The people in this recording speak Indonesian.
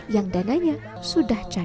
yang dananya sudah jatuh